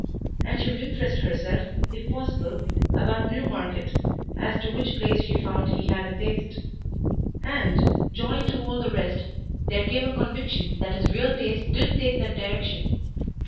And she would interest herself, if possible, about Newmarket, as to which place she found he had a taste. And, joined to all the rest, there came a conviction that his real tastes did take that direction.